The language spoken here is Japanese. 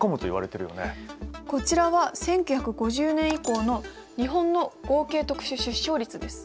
こちらは１９５０年以降の日本の合計特殊出生率です。